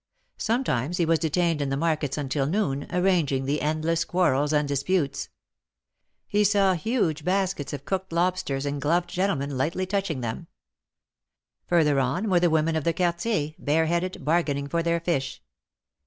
Sometimes he was detained in the markets until noon, arranging the endless quarrels and disputes. He saw huge baskets of cooked lobsters, 153 THE MAEKETS OF PARIS, X and gloved gentlemen lightly touching them. Further on were the women of the Quartier, bare headed, bargaining for their fish.